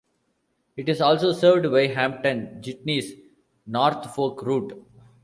It is also served by Hampton Jitney's North Fork route.